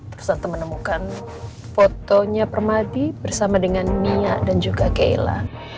terus aku menemukan fotonya permadi bersama dengan nia dan juga keela